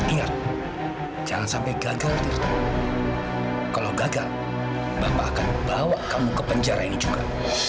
ingat jangan sampai gagal tirta kalau gagal bapak akan bawa kamu ke penjara ini juga